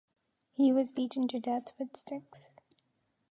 He was beaten to death with sticks.